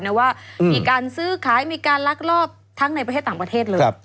ว่ามีการซื้อขายมีการลักลอบทั้งในประเทศต่างประเทศเลย